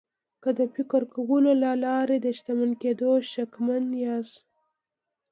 که د فکر کولو له لارې د شتمن کېدو شکمن یاست